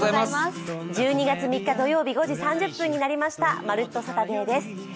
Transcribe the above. １２月３日土曜日５時３０分になりました「まるっと！